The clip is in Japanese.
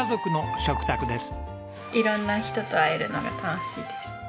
いろんな人と会えるのが楽しいです。